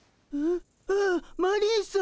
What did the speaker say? ん？あっマリーさん。